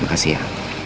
terima kasih ya